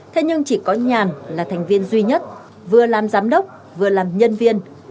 thế nhưng chỉ có nhàn là thành viên duy nhất vừa làm giám đốc vừa làm nhân viên